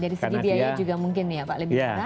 dari segi biaya juga mungkin ya pak lebih rendah